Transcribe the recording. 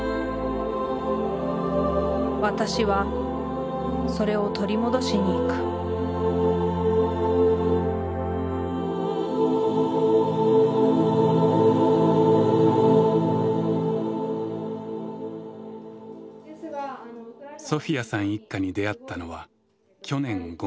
私はそれを取り戻しにいくソフィヤさん一家に出会ったのは去年５月。